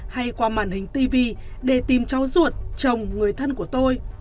hay qua màn hình tv để tìm cháu ruột chồng người thân của tôi